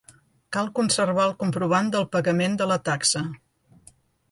Cal conservar el comprovant del pagament de la taxa.